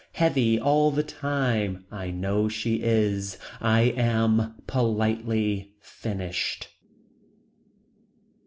Heavy all the time. I know she is. I am. Politely. Finished.